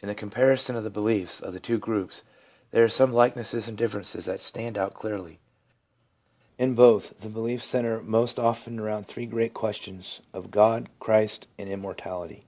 In the comparison of the beliefs of the two groups, there are some likenesses and differences that stand out clearly. In both, the beliefs centre most often around the three great questions of God, Christ, and Immor tality.